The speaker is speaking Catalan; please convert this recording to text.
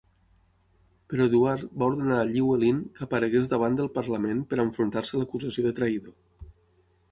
Però Eduard va ordenar Llywelyn que aparegués davant del Parlament per enfrontar-se a l'acusació de traïdor.